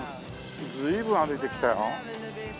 随分歩いてきたよ。